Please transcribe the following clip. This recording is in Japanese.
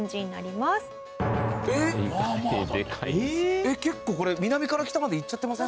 えっ結構これ南から北までいっちゃってません？